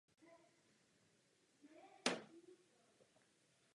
Tam se začal věnovat už výhradně divadlu.